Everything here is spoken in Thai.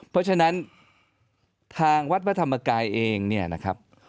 เพราะฉะนั้นทางวัดพระธรรมกายเองเนี่ยนะครับ